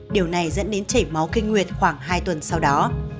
điều này dẫn đến chảy máu kinh nguyệt khoảng hai tuần sau đó